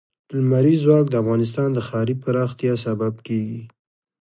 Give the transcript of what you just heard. لمریز ځواک د افغانستان د ښاري پراختیا سبب کېږي.